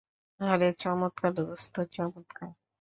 আরে, চমৎকার, দোস্ত, চমৎকার।